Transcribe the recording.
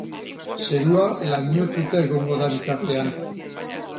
Zerua lainotuta egongo da bitartean.